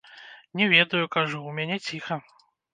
Не ведаю, кажу, у мяне ціха.